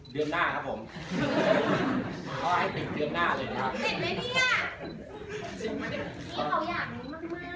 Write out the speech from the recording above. อ๋อเดือมหน้าครับผมเขาให้ปิดเดือมหน้าเลยครับ